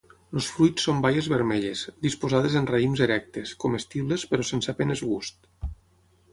Els fruits són baies vermelles, disposades en raïms erectes, comestibles, però sense a penes gust.